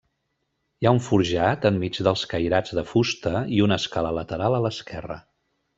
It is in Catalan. Hi ha un forjat enmig dels cairats de fusta i una escala lateral a l'esquerra.